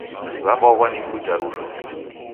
W'abwaghwa ni kuja rushwa.